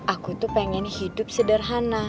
aku tuh pengen hidup sederhana